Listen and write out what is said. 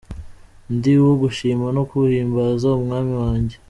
Ndi uwo gushima no guhimbaza Umwami wanjye.